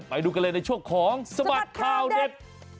ไปดูกันเลยในช่วงของสบัดข่าวเด็ด